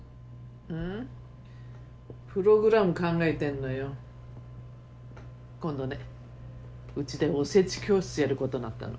んっ？プログラム考えてんのよ。今度ねうちでおせち教室やることになったの。